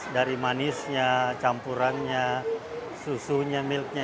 dari manisnya campurannya susunya milknya